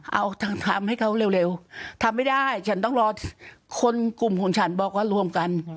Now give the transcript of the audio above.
เอาทำให้เขาเร็วทำไม่ได้ฉันต้องรอคนกลุ่มของฉันบอกว่ารวมกัน